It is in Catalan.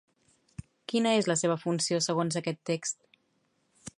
Quina és la seva funció, segons aquest text?